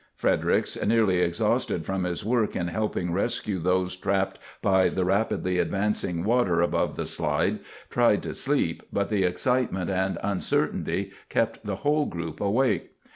Fredericks, nearly exhausted from his work in helping rescue those trapped by the rapidly advancing water above the slide, tried to sleep, but the excitement and uncertainty kept the whole group awake.